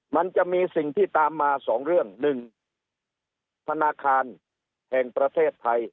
มันจะมีสิ่งที่ตามมา๒เรื่อง๑ธนาคารแห่งประเทศไทย